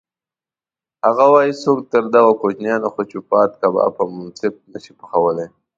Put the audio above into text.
هغه وایي: هیڅوک تر دغو کوچیانو ښه چوپان کباب او منسف نه شي پخولی.